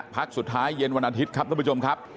พักสุดท้ายเย็นวันอาทิตย์ครับท่านผู้ชมครับ